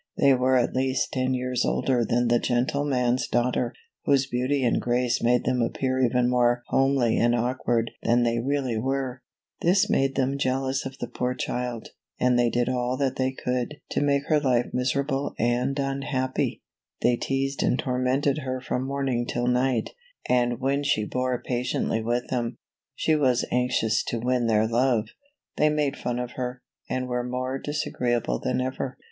They were at least ten years older than the gentleman's daughter, whose beauty and grace made them appear even more homely and awkward than they really were. This made them jealous of the poor child, and they did all that they could to make her life miserable and unhappy. 20 CINDERELLA , OR THE LITTLE GLASS SLIPPER. They teased and tormented her from morning till night, and when she bore patiently with them — for she was anxious to win their love — they made fun of her, and were more dis agreeable than ever.